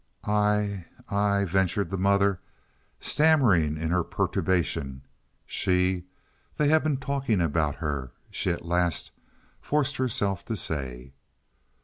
"I—I—" ventured the mother, stammering in her perturbation; "she—they have been talking about her," she at last forced herself to say.